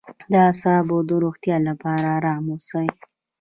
د اعصابو د روغتیا لپاره ارام اوسئ